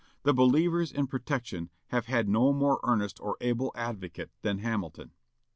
The believers in protection have had no more earnest or able advocate than Hamilton.